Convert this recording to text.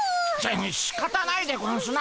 ししかたないでゴンスな。